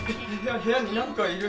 部屋になんかいる！